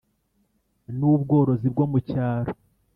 n ubworozi mu cyaro